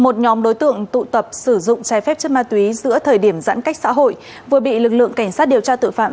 một nhóm đối tượng tụ tập sử dụng trái phép chất ma túy giữa thời điểm giãn cách xã hội vừa bị lực lượng cảnh sát điều tra tội phạm